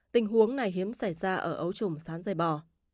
tình huống này hiếm xảy ra ở ấu trùng sán dây bò